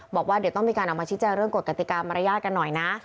บอกว่าเดี๋ยวต้องมีการออกมาชี้แจงเรื่องกฎกติกามารยาทกันหน่อยนะ